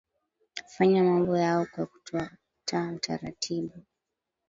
fanya mambo yao kwa kutuata utaratibu